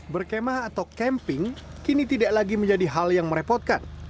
berkemah atau camping kini tidak lagi menjadi hal yang merepotkan